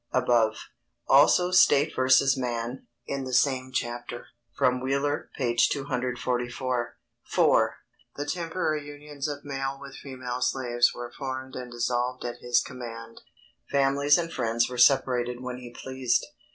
above. Also State v. Mann, in the same chapter, from Wheeler, p. 244. IV. _The temporary unions of male with female slaves were formed and dissolved at his command; families and friends were separated when he pleased.